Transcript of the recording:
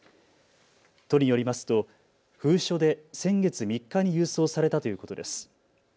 都によりますと封書で先月３日に郵送されたということです。